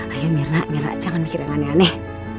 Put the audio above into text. ayo mirna mirna jangan mikir yang aneh aneh